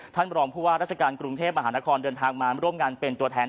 รองผู้ว่าราชการกรุงเทพมหานครเดินทางมาร่วมงานเป็นตัวแทน